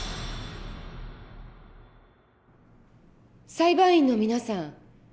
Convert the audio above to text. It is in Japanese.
裁判員の皆さん